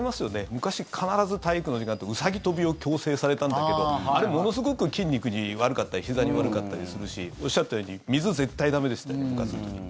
昔、必ず体育の時間ってウサギ跳びを強制されたんだけどあれものすごく筋肉に悪かったりひざに悪かったりするしおっしゃったように水、絶対駄目でしたよね部活の時に。